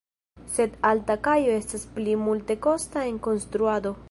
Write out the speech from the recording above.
Sed alta kajo estas pli multekosta en konstruado.